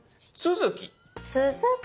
「続き」。